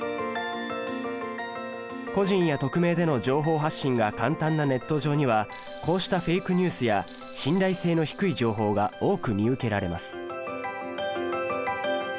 個人や匿名での情報発信が簡単なネット上にはこうしたフェイクニュースや信頼性の低い情報が多く見受けられます